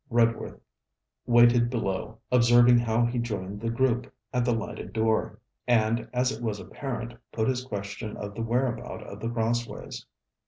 Redworth waited below, observing how he joined the group at the lighted door, and, as it was apparent, put his question of the whereabout of The Crossways.